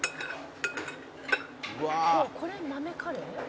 「これ豆カレー？」